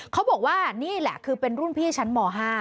เขาบอกว่านี่แหละคือเป็นรุ่นพี่ชั้นม๕